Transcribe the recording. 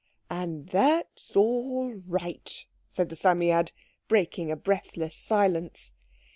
"And that's all right," said the Psammead, breaking a breathless silence.